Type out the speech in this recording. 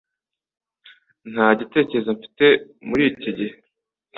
Nta gitekerezo mfite muri iki gihe